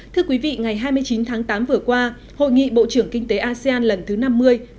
thưa quý vị ngày hai mươi chín tháng tám vừa qua hội nghị bộ trưởng kinh tế asean lần thứ năm mươi am năm mươi